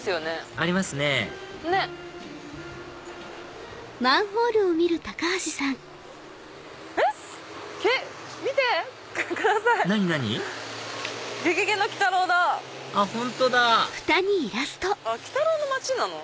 あっ本当だ鬼太郎の町なの？